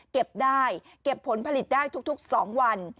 เก็บได้เก็บผลผลิตได้ทุก๒วัน